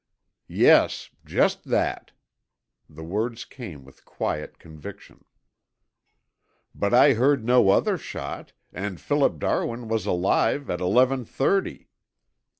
"Yes, just that." The words came with quiet conviction. "But I heard no other shot, and Philip Darwin was alive at eleven thirty!"